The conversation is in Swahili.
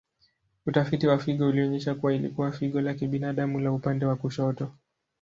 Utafiti wa figo ulionyesha kuwa ilikuwa figo la kibinadamu la upande wa kushoto.